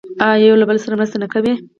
آیا او یو بل سره مرسته نه کوي؟